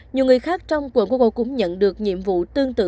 nhiều người khác trong quận của cô cũng nhận được nhiệm vụ tương tự